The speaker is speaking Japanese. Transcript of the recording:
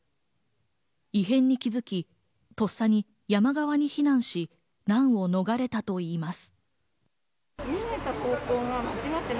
異変に気づき、とっさに山側に避難し、難を逃れたといいます。